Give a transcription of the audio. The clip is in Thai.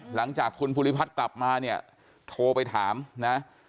หลังจากคุณภูริพัฒน์กลับมาเนี่ยโทรไปถามนะ